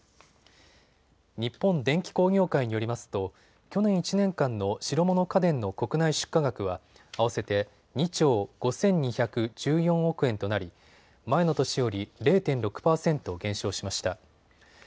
日本電機工業会によりますと去年１年間の白物家電の国内出荷額は合わせて２兆５２１４億円となり前の年より０．６％減少しました。